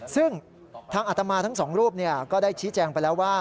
ซึ่งทางอัตมาทั้งสองรูปก็ได้ชี้แจงไปแล้วว่า